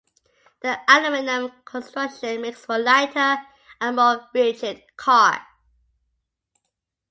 The aluminium construction makes for a lighter and more rigid car.